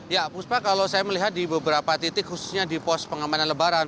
ya puspa kalau saya melihat di beberapa titik khususnya di pos pengamanan lebaran